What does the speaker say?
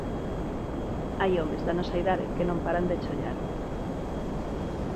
Hai homes da nosa idade que non paran de choiar.